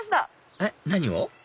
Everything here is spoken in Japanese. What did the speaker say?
えっ何を？